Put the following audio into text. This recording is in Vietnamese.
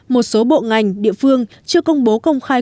một số bộ ngành địa phương chưa công bố công khai